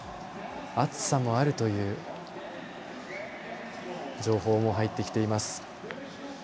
暑さもあるという情報も入ってきています。